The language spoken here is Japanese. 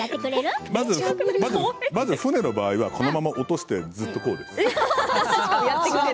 まず船の場合にはこのまま落としてずっとこの状態です。